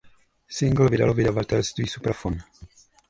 Singl vydalo vydavatelství Supraphon.